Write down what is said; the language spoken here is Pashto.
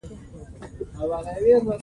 زه به وړوکي اختر له چارسدوالې څپلۍ اخلم